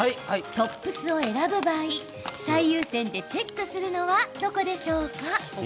トップスを選ぶ場合最優先でチェックするのはどこでしょうか？